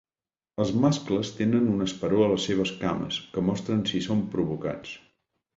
Els mascles tenen un esperó a les seves cames, que mostren si són provocats.